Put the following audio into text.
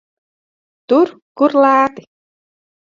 Tur, kur lēti.